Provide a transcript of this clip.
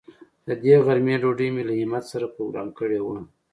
د دې غرمې ډوډۍ مې له همت سره پروگرام کړې وه.